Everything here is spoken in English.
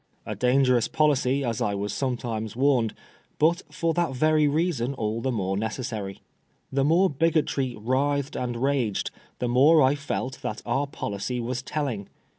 A dangerous policy, as I was sometimes warned ; but for that very reason all the more necessary. The more Bigotry writhed and raged, the more I felt that our policy was telling.